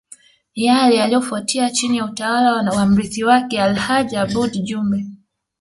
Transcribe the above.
Yale yaliyofuatia chini ya utawala wa mrithi wake Alhaji Aboud Jumbe